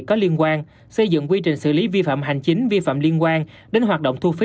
có liên quan xây dựng quy trình xử lý vi phạm hành chính vi phạm liên quan đến hoạt động thu phí